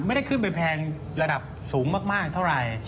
ไม่ได้ขึ้นไปแพงระดับสูงมากเท่าไหร่